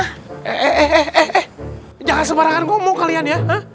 eh eh eh eh eh jangan sembarangan ngomong kalian ya